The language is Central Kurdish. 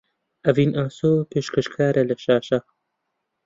ئەڤین ئاسۆ پێشکەشکارە لە شاشە